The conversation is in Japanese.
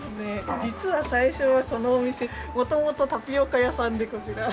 実は最初はこのお店元々タピオカ屋さんでこちら。